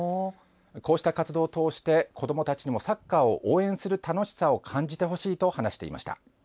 こうした活動を通して子どもたちにもサッカーを応援する楽しさを感じてほしいと話していました。